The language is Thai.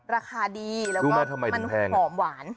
ราคาดีแล้วก็มันหอมหวาน